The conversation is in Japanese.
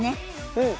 うん。